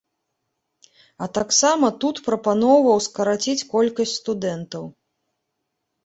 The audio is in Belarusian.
А таксама тут прапаноўваў скараціць колькасць студэнтаў.